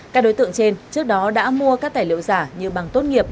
các đối tượng trên trước đó đã mua các tài liệu giả như bằng tốt nghiệp